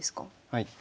はい。